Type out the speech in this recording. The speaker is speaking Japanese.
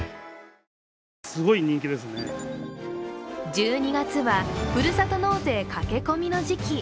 １２月はふるさと納税駆け込みの時期。